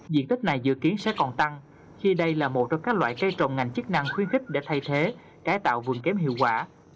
diện tích này dự kiến sẽ còn tăng khi đây là một trong các loại cây trồng ngành chức năng khuyến khích để thay thế cải tạo vườn kém hiệu quả